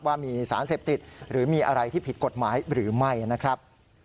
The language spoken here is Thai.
ว่ามีสารเสพติดหรือมีอะไรที่ผิดกฎหมายหรือไม่นะครับ